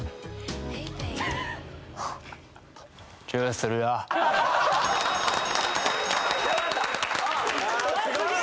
すげえ！